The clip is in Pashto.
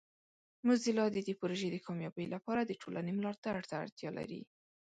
موزیلا د دې پروژې د کامیابۍ لپاره د ټولنې ملاتړ ته اړتیا لري.